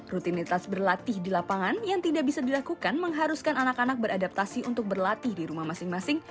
rutinitas berlatih di lapangan yang tidak bisa dilakukan mengharuskan anak anak beradaptasi untuk berlatih di rumah masing masing